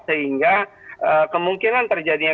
sehingga kemungkinan terjadinya